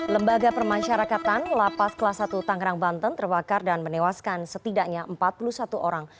lembaga permasyarakatan lapas kelas satu tangerang banten terbakar dan menewaskan setidaknya empat puluh satu orang